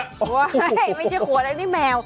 ว้ายไม่ใช่ขวดอันนี้แมว